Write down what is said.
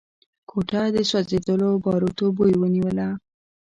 کوټه د سوځېدلو باروتو بوی ونيوله.